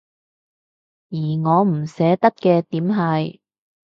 而我唔捨得嘅點係